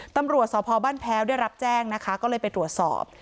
ตำรวจสพบ้านแพ้วได้รับแจ้งนะคะก็เลยไปตรวจสอบ